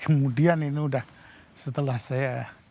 kemudian ini udah setelah saya